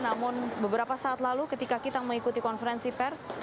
namun beberapa saat lalu ketika kita mengikuti konferensi pers